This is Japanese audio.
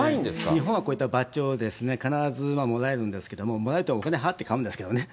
日本はこういったバッジを必ずもらえるんですけれども、もらえるって、お金払って、買うんですけどね。